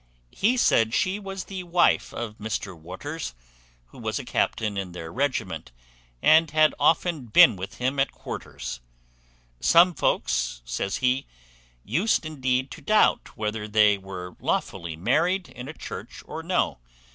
He said she was the wife of Mr Waters, who was a captain in their regiment, and had often been with him at quarters. "Some folks," says he, "used indeed to doubt whether they were lawfully married in a church or no.